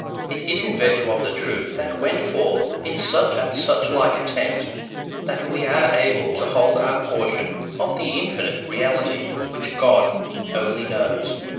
It is in virtue of the truth that went forth in such and such like attempts that we are able to hold our portion of the infinite reality which God only knows.